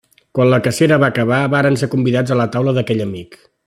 Quan la cacera va acabar, varen ser convidats a la taula d'aquell amic.